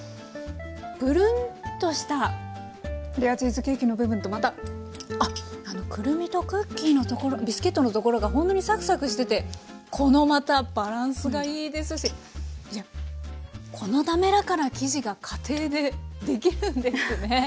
プルンッとしたレアチーズケーキの部分とまたくるみとクッキーのビスケットのところがほんとにサクサクしててこのまたバランスがいいですしこの滑らかな生地が家庭でできるんですね。